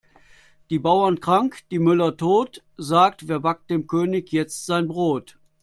Die Bauern krank, die Müller tot, sagt wer backt dem König jetzt sein Brot?